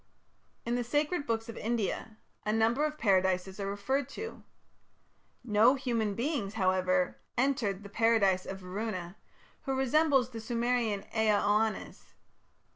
In the sacred books of India a number of Paradises are referred to. No human beings, however, entered the Paradise of Varuna, who resembles the Sumerian Ea Oannes.